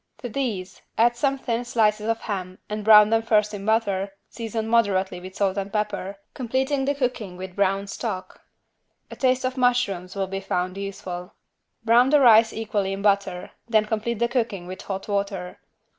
To these add some thin slices of ham and brown them first in butter, seasoned moderately with salt and pepper, completing the cooking with brown stock. A taste of mushrooms will be found useful. Brown the rice equally in butter, then complete the cooking with hot water.